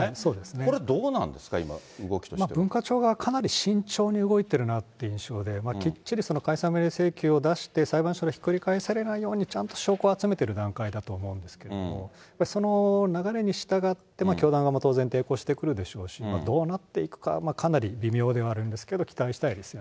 これ、どうなんですか、今、文化庁側、かなり慎重に動いてるなっていう印象で、きっちり解散命令請求を出して、裁判所でひっくり返されないように、ちゃんと証拠を集めてる段階だと思うんですけれども、その流れに従って、教団側も当然抵抗してくるでしょうし、どうなっていくか、かなり微妙ではあるんですけど、期待したいですよね。